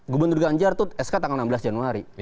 gubernur ganjar itu sk tanggal enam belas januari